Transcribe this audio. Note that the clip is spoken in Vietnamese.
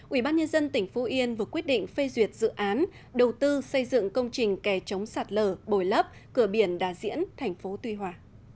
ubnd tỉnh phú yên vừa quyết định phê duyệt dự án đầu tư xây dựng công trình kè chống sạt lở bồi lấp cửa biển đà diễn tp tuy hòa